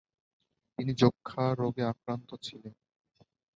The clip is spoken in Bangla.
তিনি যক্ষ্মা রোগে আক্রান্ত ছিলেন।